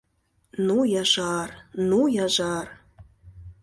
— Ну, яжар, ну, яжар!